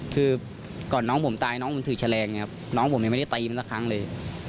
คือก่อนน้องผมตายน้องผมถือแฉลงนะครับน้องผมยังไม่ได้ตีมันสักครั้งเลย